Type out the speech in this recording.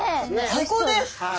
最高です！